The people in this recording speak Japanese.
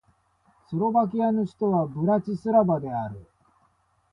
スロバキアの首都はブラチスラバである